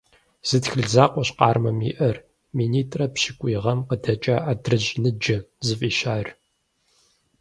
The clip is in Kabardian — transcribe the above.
Зы тхылъ закъуэщ Къармэм иӀэр – минитӀрэ пщыкӀуй гъэм къыдэкӀа «АдрыщӀ ныджэ» зыфӀищар.